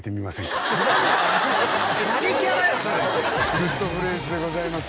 「グッとフレーズ」でございます